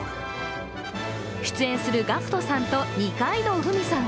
出演するＧＡＣＫＴさんと二階堂ふみさん